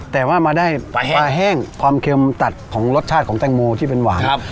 แต่ว่ามาได้ปลาแห้งความเค็มตัดของรสชาติของแตงโมที่เป็นหวาน